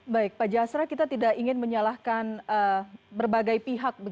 baik pak jasra kita tidak ingin menyalahkan berbagai pihak